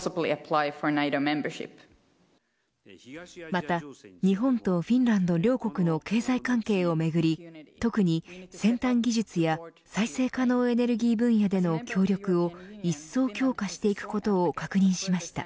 また日本とフィンランド両国の経済関係をめぐり特に先端技術や再生可能エネルギー分野での協力をいっそう強化していくことを確認しました。